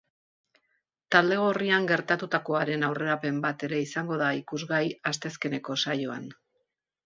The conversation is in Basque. Talde gorrian gertatutakoaren aurrerapen bat ere izango da ikusgai asteazkeneko saioan.